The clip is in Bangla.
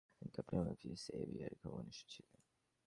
তিনি ক্যাপ্টেন এবং মিসেস সেভিয়ারের খুব ঘনিষ্ঠ ছিলেন।